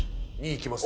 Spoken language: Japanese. いきます。